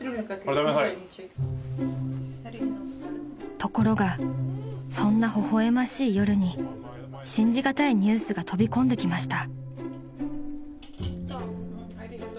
［ところがそんなほほ笑ましい夜に信じがたいニュースが飛び込んできました］